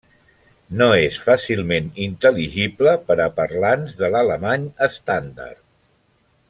No és fàcilment intel·ligible per a parlants de l'alemany estàndard.